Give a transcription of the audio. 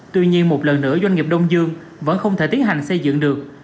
tuy nhiên một lần nữa doanh nghiệp đông dương vẫn không thể tiến hành xây dựng được